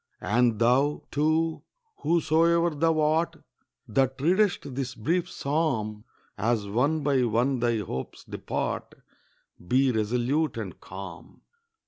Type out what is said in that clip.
And thou, too, whosoe'er thou art, That readest this brief psalm, As one by one thy hopes depart, Be resolute and calm.